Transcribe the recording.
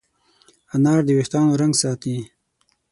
انار د وېښتانو رنګ ساتي.